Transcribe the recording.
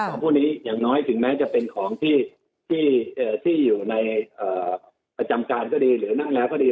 ของพวกนี้อย่างน้อยถึงแม้จะเป็นของที่อยู่ในประจำการก็ดีหรือนั่งแล้วก็ดี